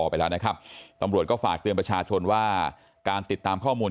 ไปแล้วนะครับตำรวจก็ฝากเตือนประชาชนว่าการติดตามข้อมูล